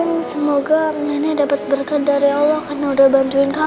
aku doain semoga nenek dapat berkah dari allah karena udah bantuin kami